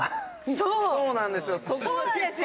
そうなんですよ」